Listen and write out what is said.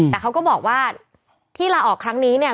แต่เขาก็บอกว่าที่ลาออกครั้งนี้เนี่ย